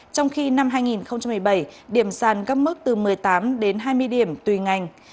trong khi năm hai nghìn một mươi bảy điểm sàn các mức từ một mươi tám đến hai mươi điểm tùy ngành